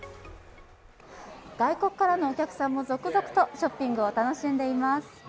外国からのお客さんも続々とショッピングを楽しんでいます。